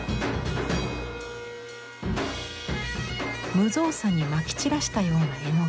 無造作にまき散らしたような絵の具。